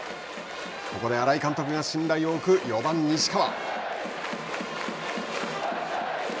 ここで新井監督が信頼を置く４番西川。